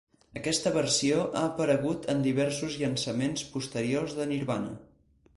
Aquesta versió ha aparegut en diversos llançaments posteriors de Nirvana.